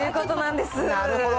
なるほど。